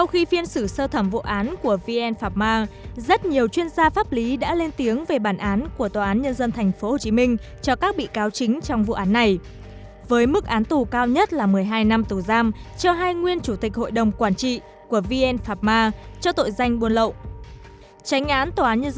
hãy đăng ký kênh để ủng hộ kênh của chúng tôi nhé